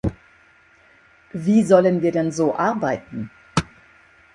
Wie sollen wir denn so arbeiten?